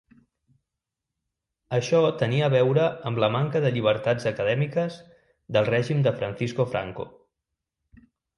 Això tenia a veure amb la manca de llibertats acadèmiques del règim de Francisco Franco.